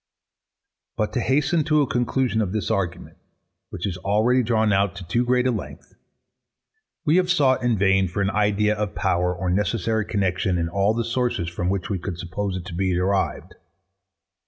But to hasten to a conclusion of this argument, which is already drawn out to too great a length: We have sought in vain for an idea of power or necessary connexion in all the sources from which we could suppose it to be derived.